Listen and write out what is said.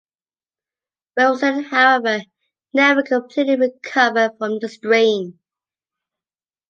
Wilson, however never completely recovered from the strain.